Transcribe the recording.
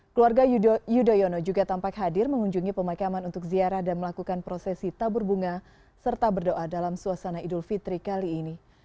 keluarga yudhoyono juga tampak hadir mengunjungi pemakaman untuk ziarah dan melakukan prosesi tabur bunga serta berdoa dalam suasana idul fitri kali ini